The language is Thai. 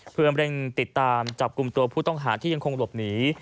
เพื่อเร่งติดตามจับกลุ่มตัวผู้ต้องหาที่ยังคงหลบหนี